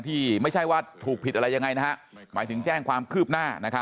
ที่ไม่ใช่ว่าถูกผิดอะไรยังไงหมายถึงแจ้งความคืบหน้า